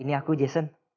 ini aku jason